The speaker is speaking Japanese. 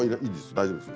大丈夫です。